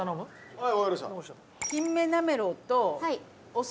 はい。